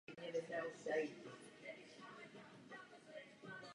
Jak můžeme vymýtit chudobu, když nepovažujeme potravinovou soběstačnost za prioritu?